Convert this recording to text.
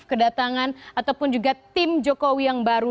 kedatangan ataupun juga tim jokowi yang baru